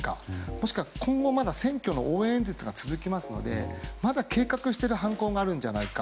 もしくは今後まだ選挙の応援演説が続きますのでまだ計画している犯行があるんじゃないか。